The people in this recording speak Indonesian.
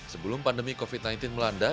sebelum pandemi covid sembilan belas melanda